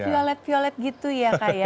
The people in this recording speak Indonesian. violet violet gitu ya kak ya